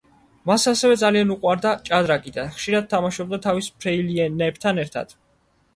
მას ასევე ძალიან უყვარდა ჭადრაკი და ხშირად თამაშობდა თავის ფრეილინებთან ერთად.